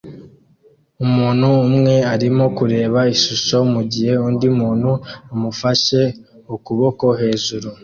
Umuntu umwe arimo kureba ishusho mugihe undi muntu amufashe ukuboko hejuru